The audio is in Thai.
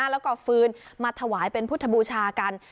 แล้วก็ฟื้นมาถวายเป็นพุทธบูชากัน